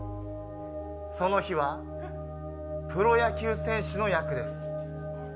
その日は、プロ野球選手の役です。